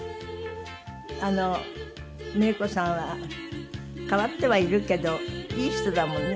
あのメイコさんは変わってはいるけどいい人だもんね。